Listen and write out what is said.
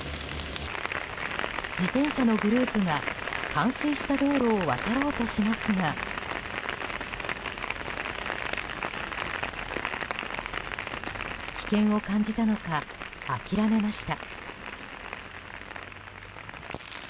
自転車のグループが冠水した道路を渡ろうとしますが危険を感じたのか、諦めました。